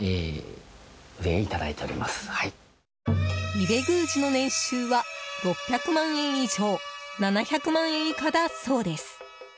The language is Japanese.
伊部宮司の年収は６００万円以上７００万円以下だそうです。